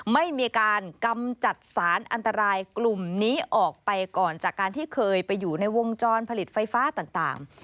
ไม่มีการกำจัดสารอันตรายกลุ่มนี้ออกไปก่อนจากการที่เคยไปอยู่ในวงจรผลิตไฟฟ้าต่าง